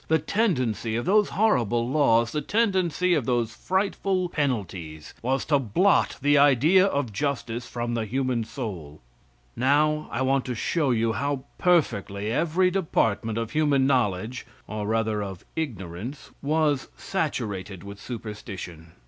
The tendency of those horrible laws, the tendency of those frightful penalties, was to blot the idea of justice from the human soul. Now, I want to show you how perfectly every department of human knowledge, or rather of ignorance, was saturated with superstition.